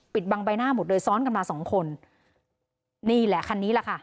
บังใบหน้าหมดเลยซ้อนกันมาสองคนนี่แหละคันนี้แหละค่ะ